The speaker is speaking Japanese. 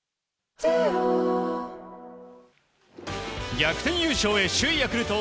逆転優勝へ首位ヤクルトを